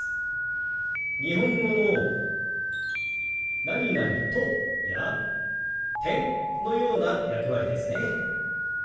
日本語の「と」や「、」のような役割ですね。